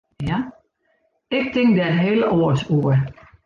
Ik tink der heel oars oer.